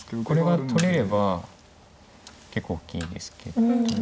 これが取れれば結構大きいですけど。